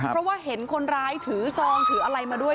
เพราะว่าเห็นคนร้ายถือซองถืออะไรมาด้วย